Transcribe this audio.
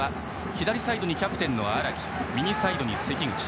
左サイドにキャプテンの荒木右サイドに関口。